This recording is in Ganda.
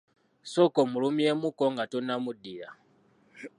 Sooka omulumyeemukko nga tonnamuddiramu.